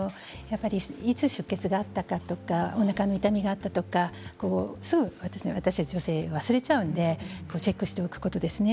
いつ出血があったかとかおなかの痛みがあったとか私たち女性、すぐ忘れちゃうのでチェックしておくことですね。